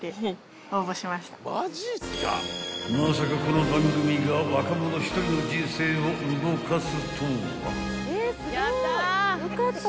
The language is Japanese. ［まさかこの番組が若者１人の人生を動かすとは］